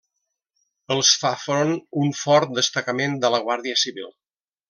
Els fa front un fort destacament de la Guàrdia Civil.